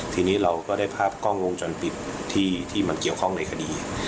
ทีนี้เราก็ได้ภาพกล้องวงจรปิดที่มันเกี่ยวข้องในคดี